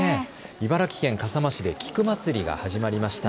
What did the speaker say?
茨城県笠間市で菊まつりが始まりました。